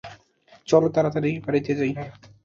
চলো তাড়াতাড়ি বাড়িতে যায়।